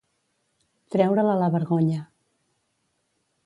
Treure'l a la vergonya